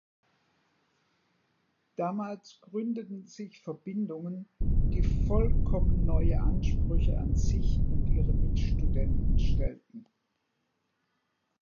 Damals gründeten sich Verbindungen, die vollkommen neue Ansprüche an sich und ihre Mitstudenten stellten.